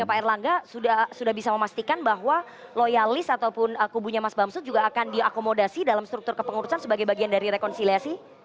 pak erlangga sudah bisa memastikan bahwa loyalis ataupun kubunya mas bamsud juga akan diakomodasi dalam struktur kepengurusan sebagai bagian dari rekonsiliasi